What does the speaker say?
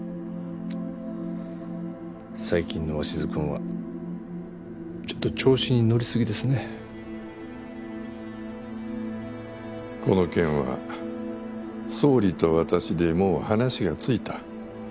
最近の鷲津君はちょっと調子に乗り過ぎでこの件は総理と私でもう話がついた。